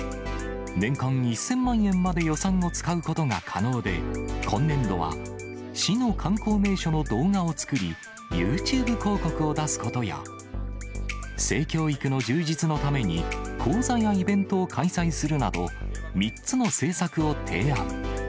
年間１０００万円まで予算を使うことが可能で、今年度は、市の観光名所の動画を作り、ユーチューブ広告を出すことや、性教育の充実のために講座やイベントを開催するなど、３つの政策を提案。